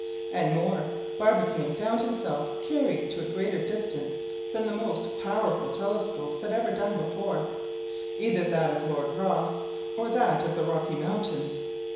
And more, Barbicane found himself carried to a greater distance than the most powerful telescopes had ever done before, either that of Lord Rosse or that of the Rocky Mountains.